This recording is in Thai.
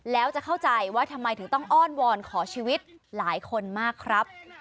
แล้วจะเข้าใจว่าทำไมถึงต้องอ้อนวอนขอชีวิตหลายคนมากครับ